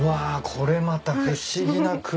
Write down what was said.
これまた不思議な空間。